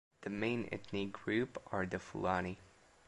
The main ethnic group are the Fulani.